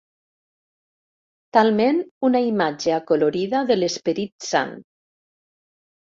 Talment una imatge acolorida de l'Esperit Sant.